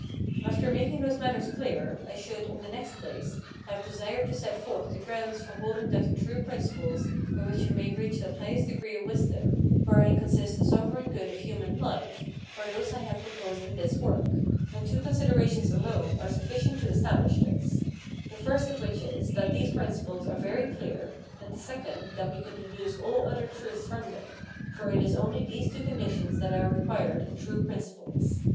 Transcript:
After making those matters clear, I should, in the next place, have desired to set forth the grounds for holding that the true principles by which we may reach that highest degree of wisdom wherein consists the sovereign good of human life, are those I have proposed in this work; and two considerations alone are sufficient to establish this the first of which is, that these principles are very clear, and the second, that we can deduce all other truths from them; for it is only these two conditions that are required in true principles.